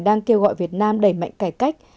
đang kêu gọi việt nam đẩy mạnh cải cách